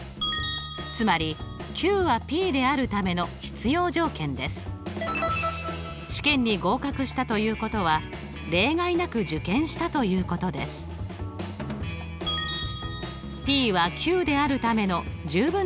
つまり試験に合格したということは例外なく受験したということです。